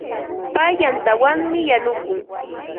Pay yantawanmi yanukun.